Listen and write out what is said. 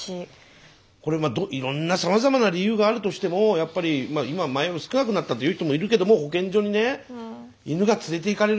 これまあいろんなさまざまな理由があるとしてもやっぱり今前より少なくなったという人もいるけども保健所にね犬が連れて行かれる。